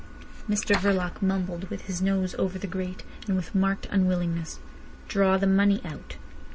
Mr Verloc mumbled, with his nose over the grate, and with marked unwillingness. "Draw the money out!"